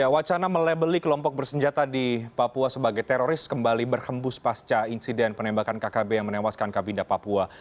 wacana melabeli kelompok bersenjata di papua sebagai teroris kembali berhembus pasca insiden penembakan kkb yang menewaskan kabinda papua